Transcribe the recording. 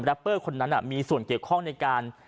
เปอร์คนนั้นมีส่วนเกี่ยวข้องในการ